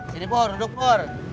sini pur duduk pur